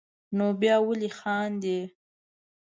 نو بیا ولې خاندې.